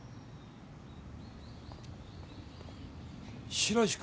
白石君。